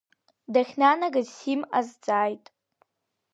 Дахьнанагаз сим азҵааит.